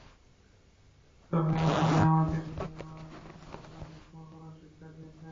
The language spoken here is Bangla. যেভাবে আপনি আমাদের অন্যকে ক্ষমা করার শিক্ষা দিয়েছেন!